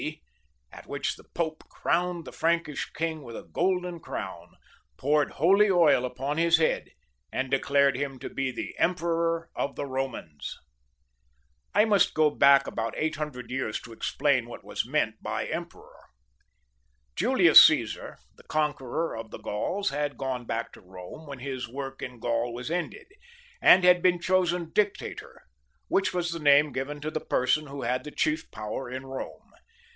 D., at which the Pope crowned the Prankish king with a golden crown, poured holy oil upon his head, and declared him to be the Emperor of the Bomans. I must go back about eight himdred years to explain what was meant by emperor. Julius Caesar, the conqueror of the Gauls, had gone back to Bome when his work in Gaul was ended, and had been chosen Dictator, which was the name given to the person who had the chief power in Bome.